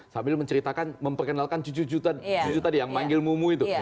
sambil menceritakan memperkenalkan cucu cucu tadi yang manggil mumu itu